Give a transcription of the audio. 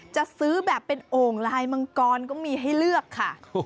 จะซื้อแบบเป็นโอ่งลายมังกรก็มีให้เลือกค่ะ